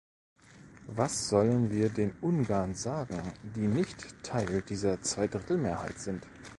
Was sollen wir den Ungarn sagen, die nicht Teil dieser Zweidrittelmehrheit sind?